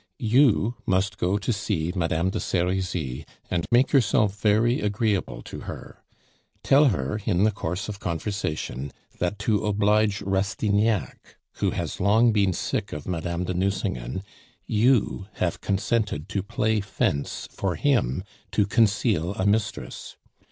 You must go to see Madame de Serizy, and make yourself very agreeable to her. Tell her, in the course of conversation, that to oblige Rastignac, who has long been sick of Madame de Nucingen, you have consented to play fence for him to conceal a mistress.